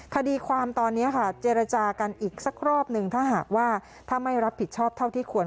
คดีความตอนนี้ค่ะเจรจากันอีกสักรอบหนึ่งถ้าหากว่าถ้าไม่รับผิดชอบเท่าที่ควร